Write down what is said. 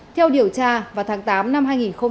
theo điều tra vào tháng tám năm hai nghìn một mươi ba